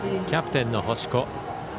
キャプテンの星子。